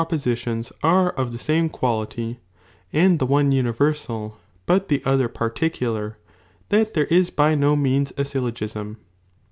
poei^ons are of the same quality, and the one Dnivcrsal, but the other particular, that there is by no means a syllogism.